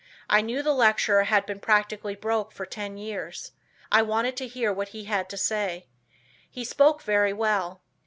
I knew the lecturer had been practically broke for ten years. I wanted to hear what he had to say. He spoke very well.